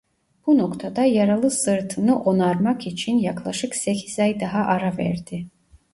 Bu noktada yaralı sırtını onarmak için yaklaşık sekiz ay daha ara verdi.